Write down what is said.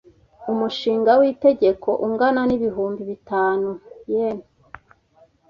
Umushinga w'itegeko ungana n'ibihumbi bitanu yen.